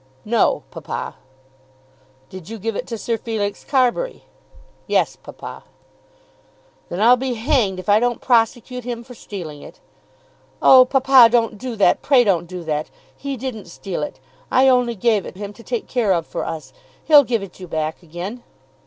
"No, papa." "Did you give it to Sir Felix Carbury?" "Yes, papa." "Then I'll be hanged if I don't prosecute him for stealing it." "Oh, papa, don't do that; pray don't do that. He didn't steal it. I only gave it him to take care of for us. He'll give it you back again."